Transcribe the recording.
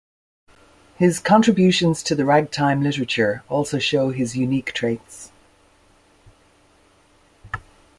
His contributions to the ragtime literature also show his unique traits.